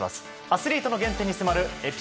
アスリートの原点に迫る